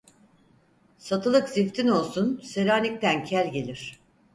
Satılık ziftin olsun, Selanik'ten kel gelir.